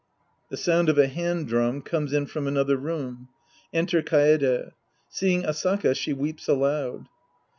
{The sound of a hand drum comes in from another room. Enter Kaede. Seeing Asaka, she weeps aloud!)